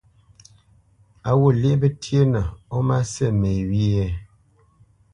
Á ghût lyéʼ pətyénə ó má sí me wyê?